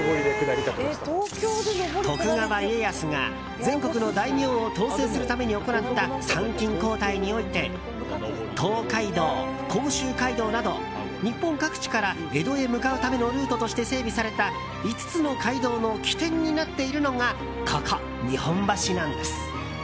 徳川家康が全国の大名を統制するために行った参勤交代において東海道、甲州街道など日本各地から江戸へ向かうためのルートとして整備された５つの街道の起点になっているのがここ日本橋なんです。